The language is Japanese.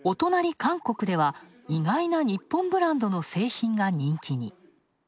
韓国では意外な日本ブランドの製品が人気に。